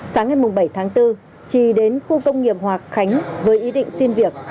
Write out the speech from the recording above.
sáng ngày bảy tháng bốn trì đến khu công nghiệp hòa khánh với ý định xin việc